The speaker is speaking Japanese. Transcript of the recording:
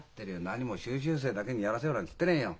なにも修習生だけにやらせようなんつってねえよ。